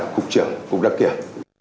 cục trưởng cục đăng kiểm